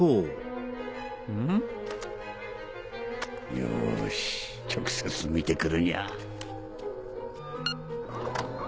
よし直接見て来るにゃ！